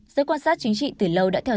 giới quan sát chính trị từ lâu đã tham gia